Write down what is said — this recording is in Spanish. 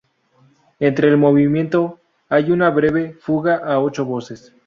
Entre el movimiento, hay una breve, fuga a ocho voces.